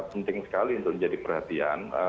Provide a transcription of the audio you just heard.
penting sekali untuk menjadi perhatian